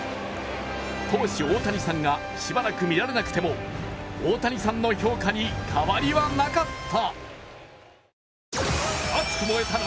投手・大谷さんがしばらく見られなくても大谷さんの評価に変わりはなかった。